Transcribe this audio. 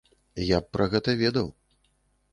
Я б пра гэта ведаў.